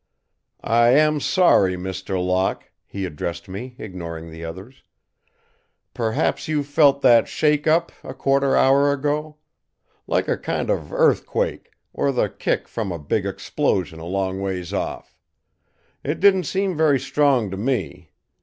"I am sorry, Mr. Locke," he addressed me, ignoring the others. "Perhaps you felt that shake up, a quarter hour ago? Like a kind of earthquake, or the kick from a big explosion a long ways off? It didn't seem very strong to me.